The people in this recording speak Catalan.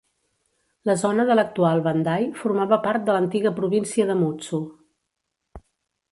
La zona de l'actual Bandai formava part de l'antiga província de Mutsu.